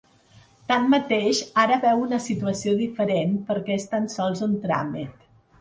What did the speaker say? Tanmateix, ara veu una situació diferent, perquè és tan sols un tràmit.